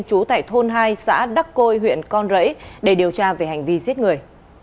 chú tại thôn hai xã đắc côi huyện con rẫy để điều tra về hành vi giết người